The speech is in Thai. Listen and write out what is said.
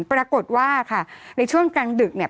ปรากฏว่าค่ะในช่วงกลางดึกเนี่ย